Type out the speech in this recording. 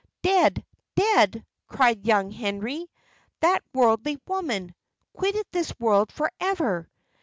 "Dead! dead!" cried young Henry. "That worldly woman! quitted this world for ever!"